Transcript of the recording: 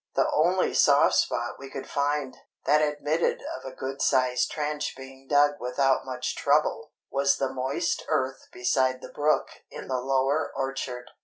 The only soft spot we could find, that admitted of a good sized trench being dug without much trouble, was the moist earth beside the brook in the lower orchard.